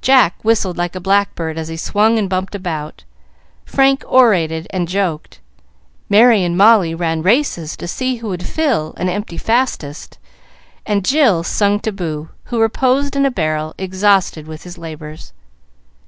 Jack whistled like a blackbird as he swung and bumped about, Frank orated and joked, Merry and Molly ran races to see who would fill and empty fastest, and Jill sung to Boo, who reposed in a barrel, exhausted with his labors.